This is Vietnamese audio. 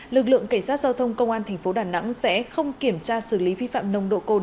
lực lượng cảnh sát giao thông công an tp đà nẵng sẽ không kiểm tra xử lý vi phạm nồng độ cồn